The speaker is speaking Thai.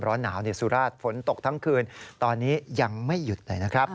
หนาวในสุราชฝนตกทั้งคืนตอนนี้ยังไม่หยุดเลยนะครับ